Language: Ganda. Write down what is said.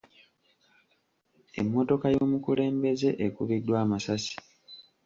Emmotoka y'omukulembeze ekubiddwa amasasi.